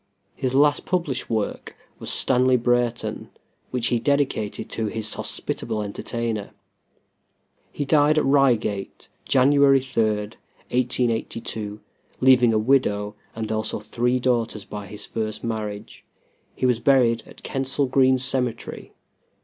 His last published work was "Stanley Brereton," which he dedicated to his hospitable entertainer. He died at Reigate January 3, 1882, leaving a widow and also three daughters by his first marriage. He was buried at Kensal Green Cemetery.